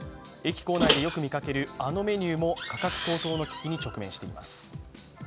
駅構内でよく見かけるあのメニューも価格高騰の危機に直面しています。